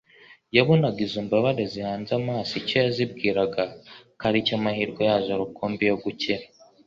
Yabonaga izo mbabare zihanze amaso icyo zibwiraga ko ari cyo mahirwe yazo rukumbi yo gukira